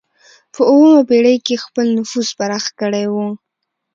په اوومه پېړۍ کې یې خپل نفوذ پراخ کړی و.